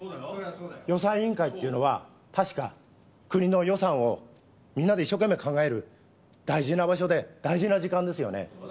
予算委員会っていうのは確か国の予算をみんなで一生懸命考える大事な場所で大事な時間ですよね。